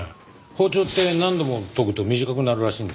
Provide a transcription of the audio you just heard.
包丁って何度も研ぐと短くなるらしいんですよ。